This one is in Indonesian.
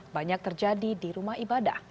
banyak terjadi di rumah ibadah